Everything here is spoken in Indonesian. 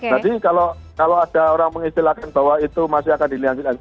jadi kalau ada orang mengistilahkan bahwa itu masih akan dilanjutkan